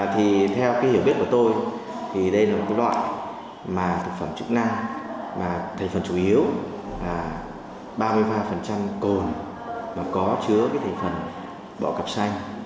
thì theo cái hiểu biết của tôi thì đây là một cái loại mà thực phẩm chức năng mà thành phần chủ yếu là ba mươi ba cồn mà có chứa cái thành phần bọ cọc xanh